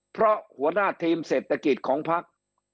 เพราะหัวหน้าทีมเศรษฐกิจของพัก